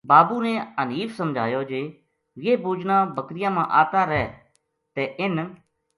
بابو نے حنیف سمجھایو جے یہ بُوجنا بکریاں ما آتا رہ تہ اِنھ